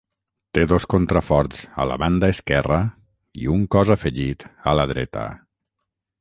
Té dos contraforts a la banda esquerra i un cos afegit a la dreta.